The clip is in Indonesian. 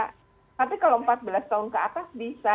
tapi kalau empat belas tahun ke atas bisa